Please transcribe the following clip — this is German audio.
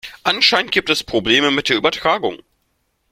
Anscheinend gibt es Probleme mit der Übertragung.